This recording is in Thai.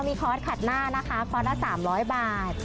มีคอร์สขัดหน้านะคะคอร์สละ๓๐๐บาท